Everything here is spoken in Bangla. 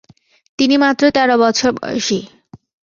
তিনি মাত্র তেরো বছর বয়সী।